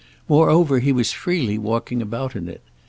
Moreover he was freely walking about in it.